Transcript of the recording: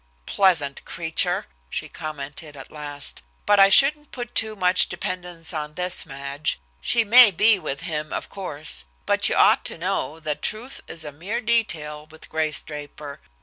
"Pleasant creature!" she commented at last. "But I shouldn't put too much dependence on this, Madge. She may be with him, of course. But you ought to know that truth is a mere detail with Grace Draper.